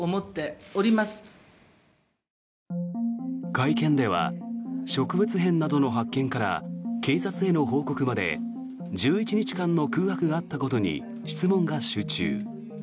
会見では植物片などの発見から警察への報告まで１１日間の空白があったことに質問が集中。